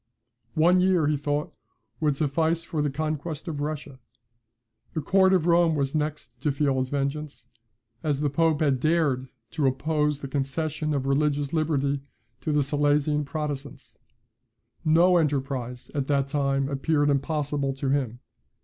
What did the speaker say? "One year, he thought, would suffice for the conquest of Russia. The court of Rome was next to feel his vengeance, as the pope had dared to oppose the concession of religious liberty to the Silesian Protestants. No enterprise at that time appeared impossible to him.